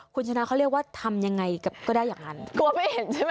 คุณชนะเขาเรียกว่าทำยังไงก็ได้อย่างนั้นกลัวไม่เห็นใช่ไหม